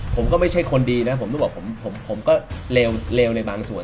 ผมก็ไม่ใช่คนดีนะผมก็เลวในบางส่วน